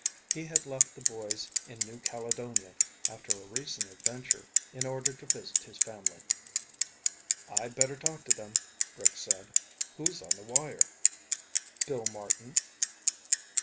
He had left the boys in New Caledonia after a recent adventure in order to visit his family. "I'd better talk to them," Rick said. "Who's on the wire?" "Bill Martin."